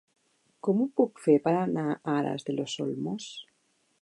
Com ho puc fer per anar a Aras de los Olmos?